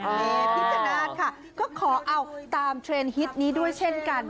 เมพิชนาธิ์ค่ะก็ขอเอาตามเทรนด์ฮิตนี้ด้วยเช่นกัน